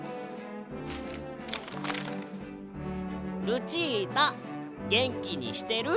「ルチータげんきにしてる？